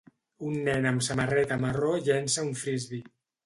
un nen amb samarreta marró llença un Frisbee.